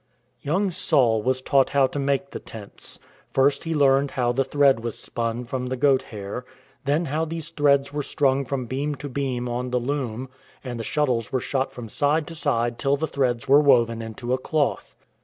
Young Saul was taught how to make the tents ; first he learned how the thread was spun from the goat hair, then how these threads were strung from beam to beam on the loom, and the shuttles were shot from side to side till the threads were woven into a cloth.